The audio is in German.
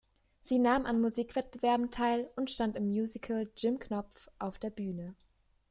Sie nahm an Musikwettbewerben teil und stand im Musical "Jim Knopf" auf der Bühne.